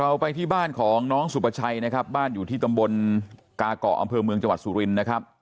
ไปที่บ้านของน้องสุประชัยนะครับบ้านอยู่ที่ตำบลกาเกาะอำเภอเมืองจังหวัดสุรินนะครับ